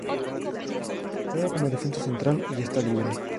Juega como defensa central y está libre.